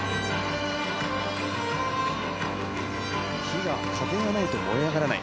火は風がないと燃え上がらない。